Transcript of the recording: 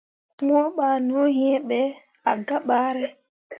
Mo ɓah no hĩĩ ɓe ah gah bare.